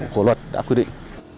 của luật đã quy định